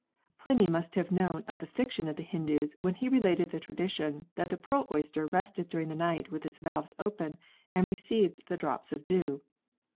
Pliny must have known of the fiction of the Hindoos when he related the tradition that the pearl oyster rested during the night with its valves open and received the drops of dew.